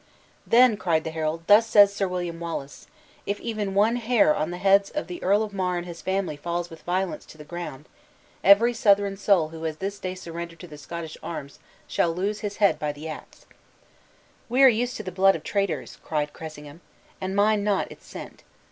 "Then," cried the herald, "thus says Sir William Wallace if even one hair on the heads of the Earl of Mar and his family falls with violence to the ground, every Southron soul who has this day surrendered to the Scottish arms shall lose his head by the ax." "We are used to the blood of traitors," cried Cressingham, "and mind not its scent.